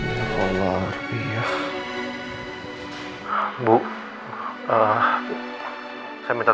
bu saya minta tolong bu dokter